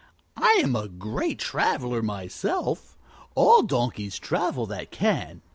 "I'm a great traveler myself. All donkeys travel that can.